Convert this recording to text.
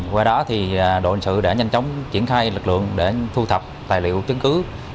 qua đó thì đội hình sự đã nhanh chóng triển khai lực lượng để thu thập tài liệu chứng cứ